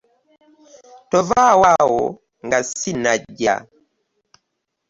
Tovaawo awo nga ssinnajja.